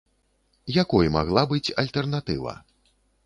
Якой магла быць альтэрнатыва?